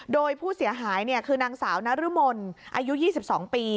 โดยผู้เสียหายคือนางสาวนรมนอายุ๒๒ปี